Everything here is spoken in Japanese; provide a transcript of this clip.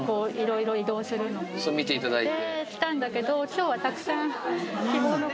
見ていただいて。